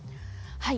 はい。